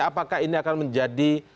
apakah ini akan menjadi